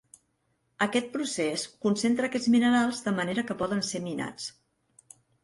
Aquest procés concentra aquests minerals de manera que poden ser minats.